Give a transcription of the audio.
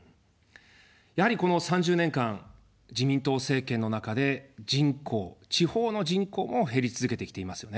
やはりこの３０年間、自民党政権の中で人口、地方の人口も減り続けてきていますよね。